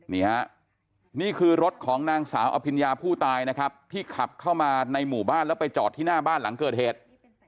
นี่ฮะนี่คือรถของนางสาวอภิญญาผู้ตายนะครับที่ขับเข้ามาในหมู่บ้านแล้วไปจอดที่หน้าบ้านหลังเกิดเหตุ